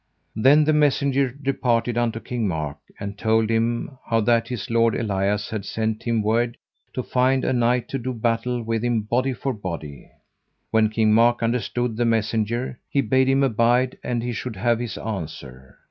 Then the messenger departed unto King Mark, and told him how that his lord Elias had sent him word to find a knight to do battle with him body for body. When King Mark understood the messenger, he bade him abide and he should have his answer.